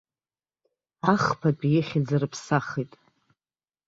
Ахԥатәи ихьӡ рыԥсахит.